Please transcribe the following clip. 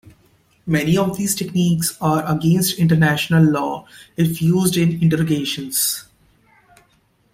Many of these techniques are against international law if used in interrogations.